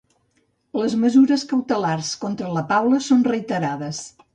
Les mesures cautelars contra la Paula són retirades.